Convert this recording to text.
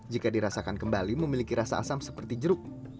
jika dirasakan kembali memiliki rasa asam seperti jeruk